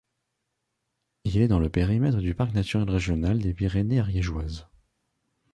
Il est dans le périmètre du parc naturel régional des Pyrénées ariégeoises.